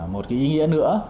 một cái ý nghĩa nữa